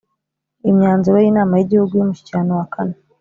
Imyanzuro y inama y Igihugu y Umushyikirano wa kane